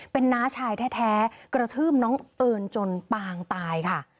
เป็นน้าชายแท้กระทืบน้องเอิญจนปางตายค่ะ